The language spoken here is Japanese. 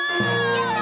やった！